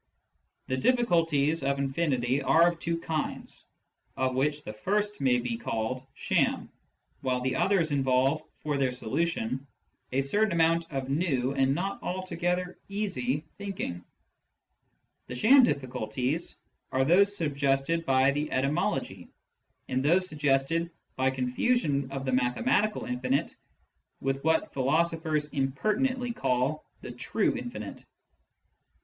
The difficulties of infinity are of two kinds, of which the first may be called sham, while the others involve, for their solution, a certain amount of new and not altogether easy thinking. The sham difficulties are those suggested by the etymology, and those suggested by confusion of the mathematical infinite with what philosophers im pertinently call the " true " infinite.